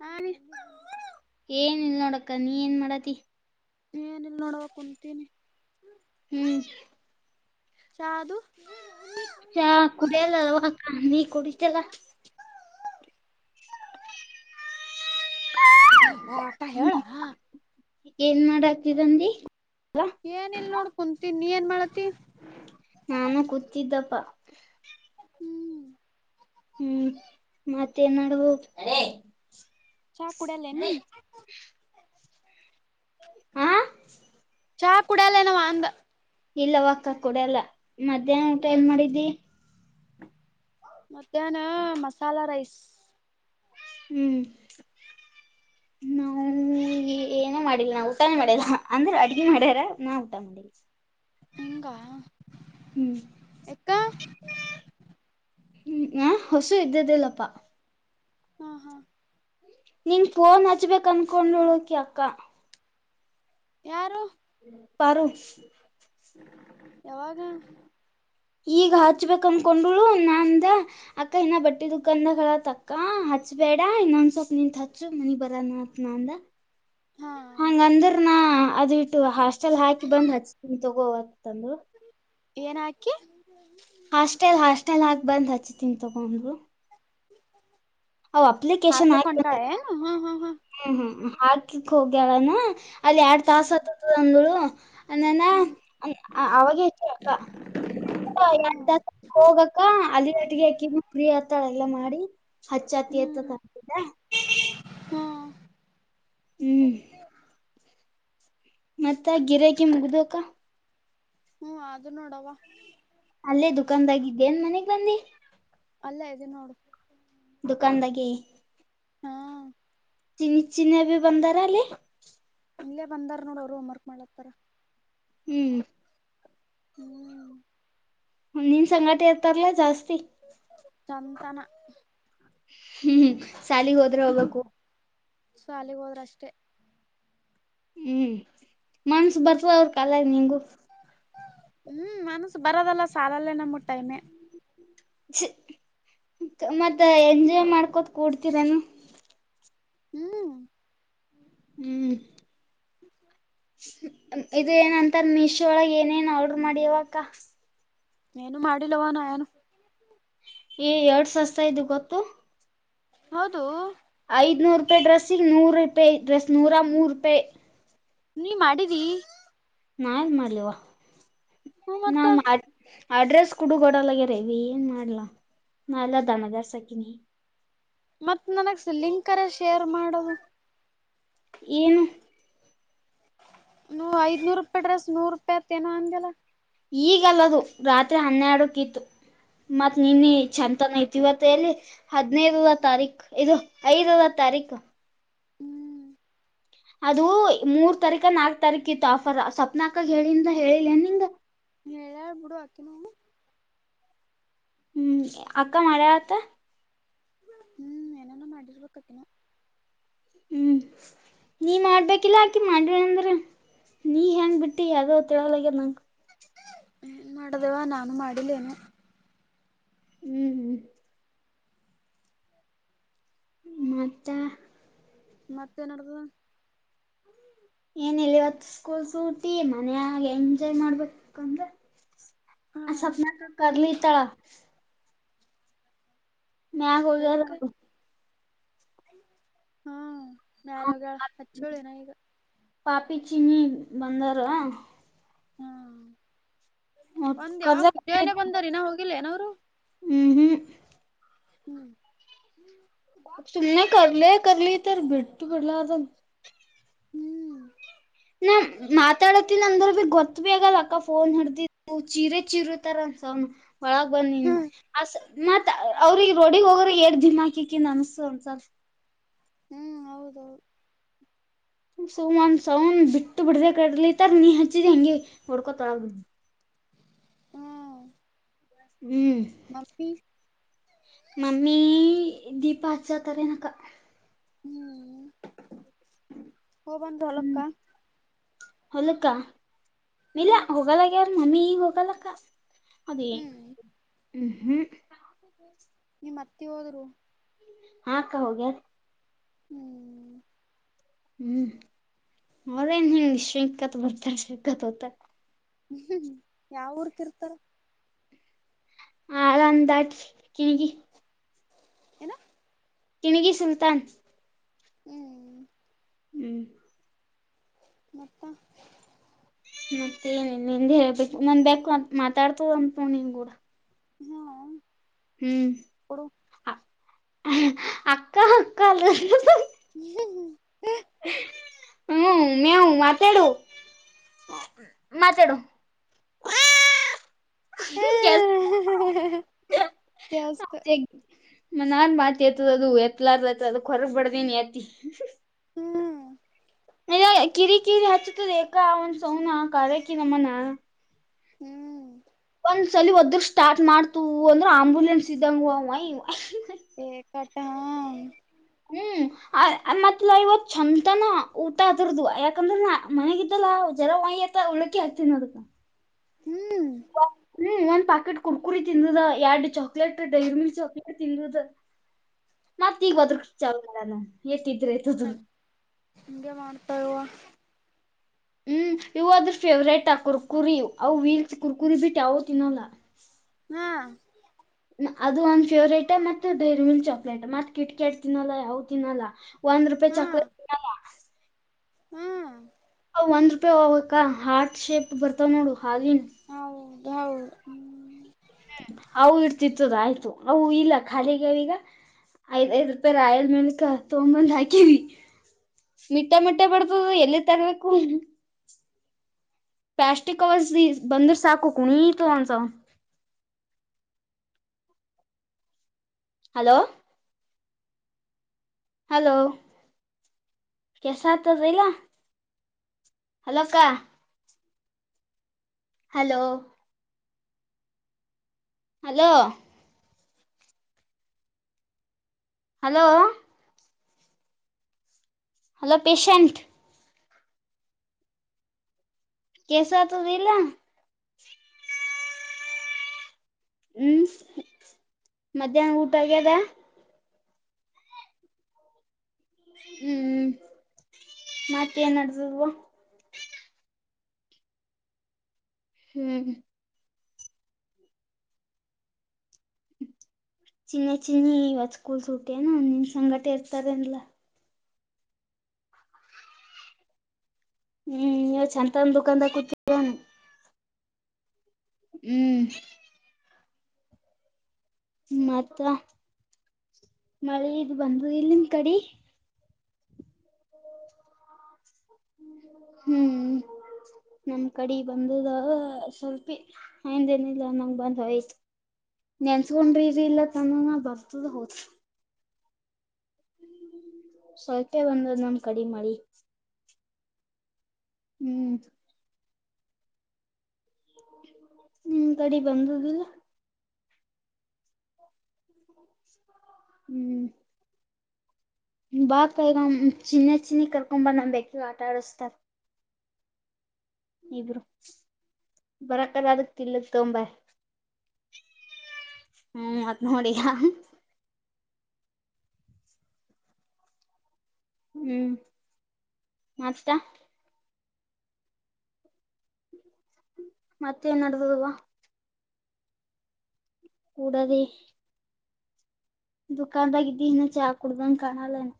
ಹಾ ರೀ [unintelligible] ಏನ್ ಇಲ್ ನೋಡಕ್ಕ ನೀ ಏನ್ ಮಾಡತಿ ಏನಲ್ ನೋಡ್ಬೇಕ ಕುಂತೀನಿ ಹ್ಮ್ ಚಾದು ಚಾ ಕುಡಿಯಲ್ಲ ಅವಾಕ್ಕ ನೀ ಕುಡಿತಲ್ಲ ಹಟ ಹೇಳ ಹ್ಮ್ [unintelligible] ಏನ್ ಮಾಡ ಆತಿದಂದಿ ಏನಲ್ ನೋಡ್ ಕುಂತೀ ನೀ ಏನ್ ಮಾಡತಿ ನಾನು ಕೂತಿದ್ದಪ್ಪ ಹ್ಮ್ ಹ್ಮ್ ಮತ್ತ ನ್ ಮಾಡಡ್ಬ ಚಾ ಕೂಡಲ್ಲೇ ನೀ ಹ ಚಾಹಾ ಕುಡಿಯಲ್ಲೇನವ ಅಂದ. ಇಲ್ಲ ಅವಕ್ಕ ಕುಡಿಯಲ್ಲ ಮಧ್ಯಾಹ್ನ ಊಟ ಹ್ಮ್ ಏನ್ ಮಾಡಿದ್ದಿ? ಮಧ್ಯಾಹ್ನ ಮಸಾಲಾ ರೈಸ್. ಹ್ಮ್ ನಾವ್ ಏನು ಮಾಡಿಲ್ಲ ನಾ ಊಟಾನೇ ಮಾಡಿಲ್ಲ ಅಂದ್ರೆ ಅಡ್ಗೆ ಮಾಡ್ಯಾರ ನಾ ಊಟ ಮಾಡಿಲ್ಲ. ಹಂಗಾ ಹ್ಮ್ ಎಕ್ಕಾ ಹ್ಮ್ ಹ ಹೊಸು ಇದ್ದಿದಿಲ್ಲಪ್ಪಾ. ಹಾ ಹಾ ನಿಂಗ್ ಫೋನ್ ಹಚ್ಬೇಕ್ ಅನ್ಕೊಂಡೊಳಕಿ ಅಕ್ಕ. ಯಾರು? ಪಾರು. ಯಾವಾಗ? ಈಗ ಹಚ್ಬೇಕ ಅನ್ಕೊಂಡಳು ನಾ ಅಂದೆ ಅಕ್ಕ ಇನ್ನ ಬಟ್ಟೆ ದುಖಾನಾಗದತಕ್ಕ ಹ ಹಚ್ಬೇಡ ಇನ್ನೊಂದ್ ಸೊಲ್ಪ್ ನಿಂತ್ ಹಚ್ಚು ಮನಿಗ್ ಬರಾನತ್ನ ಅಂದ. ಹಾ ಹಂಗಂದಿರ್ ನಾ ಅದಿಟ್ಟು ಹಾಸ್ಟೆಲ್ ಹಾಕಿ ಬಂದ್ ಹಚ್ತಿನಿ ತಗೋ ಅಂತಂದರು. ಏನಾಕಿ? ಹಾಸ್ಟೆಲ್ ಹಾಸ್ಟೆಲ್ ಹಾಕ್ ಬಂದ್ ಹಚ್ತೀನಿ ತಗೊ ಅಂದ್ರು. ಹ ಅವ್ ಅಪ್ಲಿಕೇಶನ್ ಹಾಕ್ಬೇಕಾಗಿತ್ತು ಹಾ ಹಾ ಹಾ ಹುಹು ಹಾಕಿಕ್ಹೋಗ್ ಹೇಳನು ಅಲ್ಲಿ ಎರಡ್ ತಾಸ್ ಹ್ಮ್ ಹತ್ತತು ಅಂದಳು. ಅ ನೇನ ಹ್ಮ್ ಅ ಅವಾಗ ಹೆಳುದ್ರು ಹ್ಮ್ ಅಕ್ಕ. ಹೋಗಕ್ಕ ಅಲ್ಲಿ ಹಟ್ಟಿಗೆ ಅಕ್ಕಿ ಫ್ರೀ ಯ ತ ಎಲ್ಲ ಮಾಡಿ ಹಚ್ಚ ಹತ್ತಿ ಎತ್ತಕಾತದ. ಹಾ ಹ್ಮ್ ಮತ್ತ ಗಿರಕಿ ಮುಗ್ದೊಕ ಹ್ಮ್ ಆದು ನೋಡವ. ಅಲ್ಲೇ ದುಕಾನಗಿದ್ದಿ ಎನ್ ಮನೆಗ್ ಬಂದಿ? ಅಲ್ಲೆ ಇದಿನ್ ನೋಡು. ದುಕಾನ್ದಾಗೆ? ಹಾ ಚಿನಿ ಚಿನಿ ಅಬಿ ಬಂದಾರ ಅಲ್ಲಿ? ಇಲ್ಲೇ ಬಂದಾರ ನೋಡು ಅವ್ರು ಹೋಮ್ ವರ್ಕ್ ಮಾಡ್ಲಾಕತ್ತರ. ಹ್ಮ್ ಹ್ಮ ನೀನ್ ಸಂಗತಿ ಇರ್ತಾರಲ್ಲಾ ಜಾಸ್ತಿ ಸಂತಾನ ಹ್ಮ್ ಸಾಲಿಗೆ ಹೋದ್ರೆ ಹ್ಮ ಹೋಗ್ಬೇಕು. ಸಾಲಿಗೆ ಹೋದ್ರಷ್ಟೇ. ಹ್ಮ್ ಮನ್ಸ್ ಬರ್ತವ ಅವ್ರ ಕಾಲಗ್ ನಿಂಗು. ಹ್ಮ್ ಮನಸು ಬರದಲ್ಲ ಸಾಲಲ್ಲ ನಮ್ಗ್ ಟೈಮೆ. ಕ್ಷ್ ಮತ್ತ ಹ್ಮ್ ಎಂಜಾಯ್ ಮಾಡ್ಕೋತ್ ಕೂಡ್ತೀರೆನು. ಹ್ಮ್ ಹ್ಮ್ ಇದು ಏನಂತಾರ ಮೀಶೋ ಒಳಗೆ ಏನೇನ್ ಆಡ್ರು ಮಾಡಿವಕ್ಕ. ಏನು ಮಾಡಿಲ್ಲವ ನಾ ಏನು. ಏ ಎಷ್ಟ್ ಸಸ್ತ ಇದು ಗೊತ್ತಾ. ಹೌದು ಐದ್ನೂರು ರೂಪಾಯಿ ಡ್ರೆಸ್ಸಿಗೆ ನೂರುಪಾಯ್ ಡ್ರೆಸ್ ನೂರಾ ಮೂರುಪಾಯ್. ನೀ ಮಾಡಿದಿ? ನಾಏನ್ ಮಾಡ್ಲಿವ ಹು ಮತ್ತ ನಾವ್ ಮಾಡ್ ಅಡ್ರೆಸ್ ಕುಡುಗೊಡಲಗೆ ರೇವಿ ಏನ್ ಮಾಡ್ಲಾ ನಾ ಎಲ್ಲ ದನಗರ್ಸಾಕಿನಿ ಮತ್ತ್ ನನಗ್ ಸ ಲಿಂಕರ ಶೇರ್ ಮಾಡು ಏನೂ. ನೂವು ಐದನೂರು ರೂಪಿಡ್ರಸ್ ನೂರು ರೂಪಾಯಿ ಹತ್ತ ನೋ ಅಂಗಗೆಲ್ಲ ಈಗಲ್ಲದು ರಾತ್ರಿ ಹನ್ನೆರಡಕ್ಕ ಇತ್ತು ಮತ್ತ್ ನಿನ್ನ ಚಂತನ ಇತಿ ಇವತ್ತು ಹದಿನೈದರ ತಾರೀಖ ಇದು ಐದರ ತಾರೀಕು ಹ್ಮ್ ಅದು ಮೂರ್ ತಾರೀಕ ನಾಲ್ಕ್ ತಾರೀಕ ಇತ್ತು ಆಫರ್ ಸ್ಪ್ನಾಕಾಗ ಹೇಳಿಂದ ಹೇಳಿಲ್ಲನ್ ನಿಂಗ ಳ ಬಿಡು ಆಕನು ಹ್ಮ್ ಅಕ್ಕ ಮರೆಯತ್ತ ಹ್ಮ್ ನಲ್ಲ ಮಾಡಡರ್ ಪ ಕಕ್ಕನ ಹ್ಮ್ ನೀ ಮಾಡ್ಬೇಕಿಲ್ಲ ಆಕಿ ಮಾಡವ ಅಂದ್ರ ನೀ ಹೆಂಗ್ ಬಿಟ್ಟಿ ಯಾವಾವ ತಿಳಲಗ ನಂಗ ಏನ್ ಮಾಡದೆೇವಾ ನಾನು ಮಾಡಿಲ್ಲೇನು ಹ್ಮ್ ಹ್ಮ್ ಮತ್ತ ಮತ್ತೇನಡ್ತದ ಏನ ಇಿಲ್ಲ ಇವತ್ತು ಸ್ಕೂಲ್ ಸೂಟಿ ಮನ್ಯಾಗ ಎಂಜಾಯ್ ಮಾಡ್ಬೇಕಂದ್ರೆ ಹಾ ಆ ಸಪ್ನ ಕಲಿ ತ ನನ್ಯಾಗ ಹೋಗಲ್ಲ ಹ್ಮ ಯಾರಾಗ ಹಚ್ಚೋಳಿನ ಈಗ ಪಾಪಿ ಚಿನ್ನಿ [inaudible] ಹ್ಮ್ ಬಂದ್ಯಾವ ಕರ್ದ ಮುಜ ಏನೆೇ ಬಂದಾರಿನ ಹೋಗಿಲ್ಲೇನ ಹ್ಮ್ ಹ್ಮ್ ಹ್ಮ್್ಮ ಸುಮನೆ ಕಲ ಕಲಿ ಭೇಟತು ಬಿಡಲ ಅದ ಹ್ಮ್ ನಾ ಮಾತಾಡತೀನ ಅಂದ್ರ ಭ ಗೊತ್ತು ಭ ಆಗಲ್ಲ ಅಕ್ಕ ಫೋನ್ ಹಡದಿದ ಚೀರ ಚೀರುತರ ಹೌನು ಒಳಗ ಬಂದನ್ ಅ ಮತ್ತ್ ಅವ್ರಿಗೆಗ ರೋಡಿಗ್ ಹೋಗ ಎಡ್ ದಿಮಾಕಿಿಕನ್ ಅನಸು ಒಂದಸಲ್ ಹ್ಮ್ ಹೌದು ಸೋಮನ್ ಸೌನ್್ ಬಿಟ್ಟು ಬಿಡ್ದ ಕಡೆತಾರ ನೀ ಹಚ್ಚಿದಿ ಹೆಂಗಗೆ ಹೊಡ್ಕೊತೊಳ ಹ್ಮ್ [inaudible] ನಂಬಿ ಮಮ್ಮಮ್ಮೀ ದೀಪ ಹಚ್ಚ ಅಾರೆ ನಕ ಹ್ಮ್ ಹ ಬಂದ ಹೊಲಕ್ಕ ಹ್ಮ್ ಹೊಲಕ್ಕ ಇಲ್ಲ ಹೋಗಲ್ಲಾಗ ಯಾರ ಮಮ್ಮಿ ಈಗ ಹೋಗಲಕ್ಕ ಅದೇ ಹ್ಮ್ ಹ್ಮ್ ಹ್ಮ್ ಮತ್ತೆ ಹೋದ್ರು ಹಾಕ್ಕ ಹೋಗ ಹ್ಮ್ ಹ್ಮ್ ಅವದ ನಿಮ ಸಿಕ್ಕತ್ ಬರ್ತಾ ಸಿಕ್ಕತ್ ಹತ ಹ್ಮ್ ಯಾವ ಊರ್ಕ ಇರ್ತಾರ ಹ ಅಂದ ಕೆಿ ಹ್ಣ ತಿಣಗಿ ಸುಲ್ತಾನ್ ಹ್ಮ್ ಹ್ಮ್ ಮತ್ತ ಮತ್ತೇನ ನಿಂದ ಹೇಳ್ಬೇಕು ನಂದ್ ಬು ಮಾತಾಡ್ತ ಅಂತ ನೀನ್ ಕೂಡ ಹಾ ಹ್ಮ್ ಕೊಡು ಅಕ್ಕ ಅಕ್ಕ ಅಲ್ಲ ಹ್ಮ್ ಹ್ಮ್ ಹ್ಮ್ ಹ್ಮ ಮೇವು ಮಾತಡ ಮಾತೇಡೋ ಕೆಲಸ ಕೆಲ್ಸ್ತ ದೇ ನಾನ್ ಒಂದ್ ಮಾತಿ ತದ ಅದು ಎತ್ಲಾರದ ಅದ ಹೊರಗ್ ಬಡ್ದನ ತಿ ಹ್ಮ್ ಇಲ್ಲ ಕಿರಿ ಕಿರಿ ಹಚ್ಚತದ ಏಕ ಒಂದ್ ಸೌನಾ ಕಕಿ ನಮ್ಮನ ಹ್ಮ್ ನ್ಸ್ಲ್ಲಿ ಒದ ಸ್ಟಾರ್ಟ ಮಾಡ್ತು ಅಂದ್ರೆ ಆಂಬುಲೆನ್ಸ್ ಇದ್ದಂಗ ಅವ ಹ ಕಟ ಹಾ ಹ್ಮ್ ಮತ್ತೆಲ್ಲಾ ಇವತ್ ಚಛಂತನ ಊಟ ಅದರದು ಯಾಕಂದ್ರೆ ನ ಮನೆಗಲ್ಲಾ ಚಲ ಒಯತ್ತ ಉಳಕಿ ಹಗ್ತೀ ನೋದ ಹ್ಮ್ ಒಂದು ಪಾಕೆಟ್ ಕುರ್ಕುರಿ ತಿಂದದ ಎರಡು ಚಾಕ್ಲೇಟ್ ಡೈರಿ ಮಿಲ್ಕ್ ಚಾಕ್ಲೇಟ್ ತಿಂದದ ಮತ್ತ ಈಗ ಹೋದ್ರ ಚಾನ ಎತ್ತಿದ ಹ ಹಂಗಗೆ ಮಾಡ್ತಾ ಹ್ಮ್ ಇವು್ ಅದ್ರ ಫೇವ್ರೇಟ್ ಆ ಕುರ್ಕುರಿ ಅವು ವೀಲ್ತಿ ಕುರ್ಕುರಿ ಬಿಟ್ಟ ಯಾವ ತಿನ್ನಲ್ಲ ಹ್ಮ್ ಅದು ಒಂದ್ ಫೇವ್ರೇಟ್ ಮತ್ ಡೈರಿ ಮಿಲ್ಕ್ ಚಾಕ್ಲೇಟ್ ಮತ್ ಕಿಟ್ಕಿಟ್ ತಿನ್ನಲ್ಲ ಯಾವು ತಿನ್ನಲ್ಲ ಒಂದು ರೂಪ ಚಾಕ್ಲೇಟ್ ಹ್ಮ್ ಒಂದ್ ರೂಪಾಯಿ ಹೋಗಕ್ಕ ಹಾರ್ಟ್ ಶೇಪ್ ಬರ್ತಾವ್ ನೋಡು ಹಾಗೇನು ಹಾೌ್ಮ ಹ್ಮ ಅವು ಇಡ್ತಿತ್ತದ ಆಯ್ತು ಅವು ಇಲ್ಲ ಖಾಲಿ ಆಗ್ಯಾವ ಈಗ ಐದ್ ಐದ್ ರೂಪಾಯಿ ರಾಯಲ್ ಮೇಲ್ಕ ತೊಗೊಂಡಬಂದ್ ಹಾಕಿವಿ ಮಿಟ್ಟ ಮಿಟ್ಟೆ ಬಡ್ದದ ಎಲ್ಲಿದ್ ತರಬೇಕು ಪ್ಲಾಸ್ಟಿಕ್ ಕವರ್ಸ್ ಬಂದಿರ ಸಾಕು ಕುಣಿತ ಅಸ ಹಲೋ ಹಲೋ ಕೆಳಸತದ ಈಗ ಅಲಕ್ಕ hello hello hello hello patient ಕೆಲ್ಸತದ್ ಈಗ ಹ್ಮ್ ಮಧ್ಯಾಹ್ನ ಊಟ ಆಗ್ಯದ ಹ್ಮ್ ಮತ್ತೆ ಏನ್ಡ್ಸದ್ವ ಹ್ಮ್ ಚಿನ್ನ ಚಿನ್ನಿ ಇವತ್ ಸ್ಕೂಲ್ ಸುಟಿ ಏನು ನಿನ್ ಸಂಗಟೆ ಇರ್ತಾರ ಅನ್ಲ ಹ್ಮ್ ಚಂತಂದ ದುಕಾನದ ಕುೂತಿವೆನ್ ಹ್ಮ್ ಮತ್ವಾ ಮಳೆ ಇದು ಬಂದು ಇಲ್ ನಿಮ ಕಡೆ ಹ್ಮ್ ನಮ್ ಕಡೆ ಬಂದದ ಸ್ವಲ್ಪಿ ಐಂದೇನ ಇಿಲ್ಲ ನಂಗ್ ಬಂದ ಆಯ್ತು ನೆನ್ಸ್ಕೊಂಡ್ರಿ ಇದು ಇಲ್ಲ ತನನ ಬರ್ತದ ಹೋದ ಅದ್ಕೆ ಬಂದದ ನಮ ಕಡಿ ಮಾಡಿ ಹ್ಮ್ ಹ್ಮ್ ಕಡಿ ಬಂದದಿಲ್ಲ ಹ್ಮ್ ಬಾ ಕೈಗ ಚಿನ್ನ ಚಿನ್ನಿ ಕರ್ಕೊಂಬ ನ ಬೇಕ ಆಟ ಆಡಸ್ತಾರ ಇಬ್ರು ಬರಕರ ಆದ್ರ ತಿಲ್ಲ ತೊಂಬ ಹ್ಮ್ ಮತ್ ನೋಡಿಯಾ ಹ್ಮ್ ಮತ್ತ ಮತ್ತೇನ್ ನಡದದುವ ಕೂಡದೆ ದುಕಾನದಾಗಿದ್ದೀನ್ನ ಚಾ ಕುಡ್ದಂಗ ಕಾಣಲ್ಲನ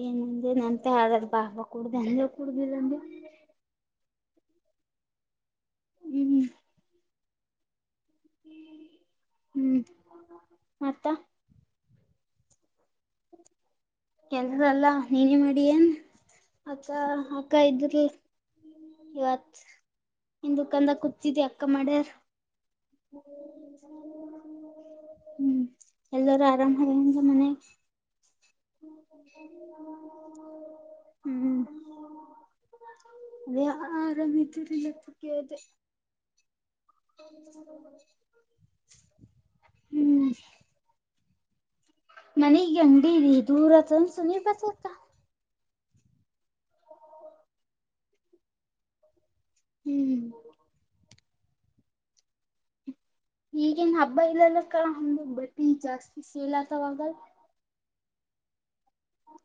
ಏನಂದ್ರೆ ನಂತ ಹ್ರ ಬಾ ಕುೂಡ್ದ ಅಲ್ಲ ಕುೂಡುದಿಲ್ಲನ್ರಿ ಹ್ಮ್ಮ ಹ್ಮ್ ಮತ್ತ ಎಲ್ಲ್ಲ ನೀನೇ ಮಾಡಿ ಏನ್ ಅಕ್ಕ ಅಕ್ಕ ಇದ್ರ ಇವತ್ ನಿನ್ ದುಖಂದ ಕೂತ್ಿದಿ ಅಕ್ಕ ಮಾಡ್ಯಾರ ಹ್ಮ ಹ್ಮ್ ಎಲ್ಲರೂ ಆರಾಮಾಗಿಂದ ಮನೆ ಹ್ಮ್ ಅದೇ ಆರಾಮಿದ್ದರಿಲ್ಲಪ್ಪಕ್ಕೆ ಅದೇ ಹ್ಮ್ ನನಗ್ ಗಂಡಿೀ ದೂರತ್ರನ್ ಸುನಿ ಬತತ ಹ್ಮ್ ಈಗಿನ್ ಹಬ್ಬ ಇಲ್ಲಲ್ಲ ಕ ಹಮ್ದ ಬತನ್ ಜಾಸ್ತಿ ಸಲಾತವಾಗಲ್ ಹೆ